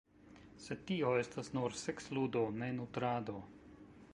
Sed tio estas nur seksludo, ne nutrado.